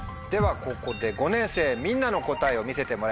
ここで５年生みんなの答えを見せてもらいましょう。